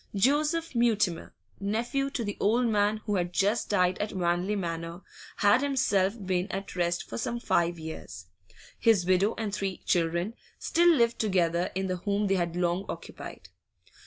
Joseph Mutimer, nephew to the old man who had just died at Wanley Manor, had himself been at rest for some five years; his widow and three children still lived together in the home they had long occupied.